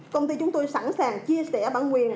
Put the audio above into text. công ty chúng tôi sẵn sàng chia sẻ bản quyền